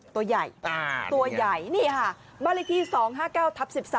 ตัวใหญ่ตัวใหญ่นี่ค่ะบริธี๒๕๙ทับ๑๓